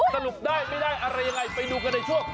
สรุปได้ไม่ได้อะไรยังไงไปดูกันในช่วง